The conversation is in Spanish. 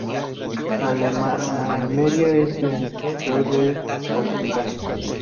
Almería es la de peor porcentaje